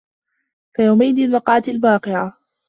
فَيَومَئِذٍ وَقَعَتِ الواقِعَةُ